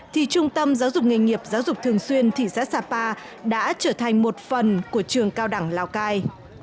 thì trung tâm giáo dục nghề nghiệp giáo dục thường xuyên thị xã sapa đã trở thành một phần của trường cao đẳng lào cai